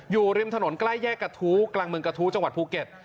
อยู่ริมถนนใกล้แยกกระทู้กลางเมืองกระทู้จังหวัดภูเก็ต